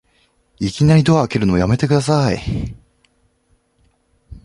いきなりドア開けるのやめてください